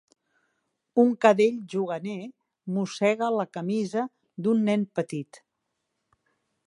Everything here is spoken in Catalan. Un cadell juganer mossega la camisa d'un nen petit.